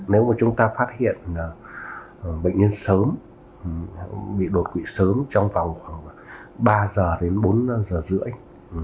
nếu mà chúng ta phát hiện bệnh nhân sớm bị đột quỵ sớm trong vòng khoảng ba giờ đến bốn giờ rưỡi